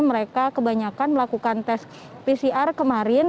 mereka kebanyakan melakukan tes pcr kemarin